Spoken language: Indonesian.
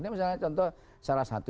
ini misalnya contoh salah satu